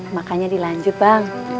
makanya dilanjut bang